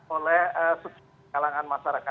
oleh sebagian kalangan masyarakat